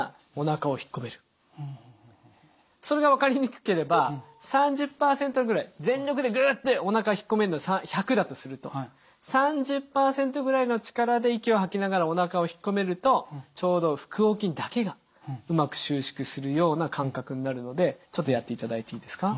それが分かりにくければ３０％ぐらい全力でグっておなか引っ込めんの１００だとすると３０％ぐらいの力で息を吐きながらおなかを引っ込めるとちょうど腹横筋だけがうまく収縮するような感覚になるのでちょっとやっていただいていいですか？